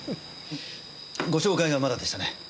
ご紹介がまだでしたね。